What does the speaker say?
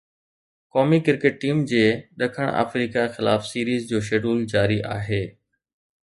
قومي cricket team جي ڏکڻ آفريڪا خلاف سيريز جو شيڊول جاري آهي